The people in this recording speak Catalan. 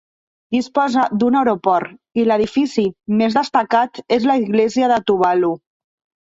Disposa d'un aeroport i l'edifici més destacat és l'església de Tuvalu.